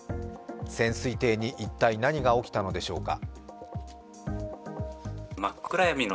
潜水艇に一体、何が起きたのでしょうか。